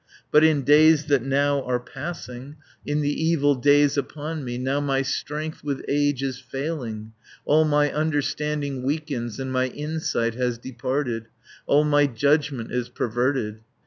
But in days that now are passing. In the evil days upon me, Now my strength with age is failing, All my understanding weakens And my insight has departed, All my judgment is perverted.